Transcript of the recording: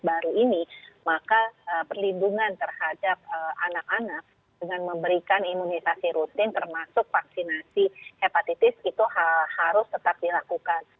kalau kita melakukan penyakit hepatitis baru ini maka perlindungan terhadap anak anak dengan memberikan imunisasi rutin termasuk vaksinasi hepatitis itu harus tetap dilakukan